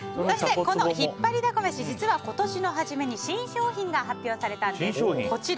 そして、このひっぱりだこ飯実は今年の初めに新商品が発表されたんです。